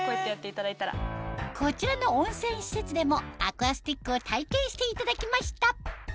こちらの温泉施設でもアクアスティックを体験していただきました